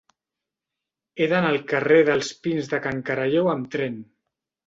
He d'anar al carrer dels Pins de Can Caralleu amb tren.